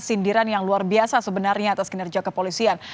sindiran yang luar biasa sebenarnya atas kinerja kepolisian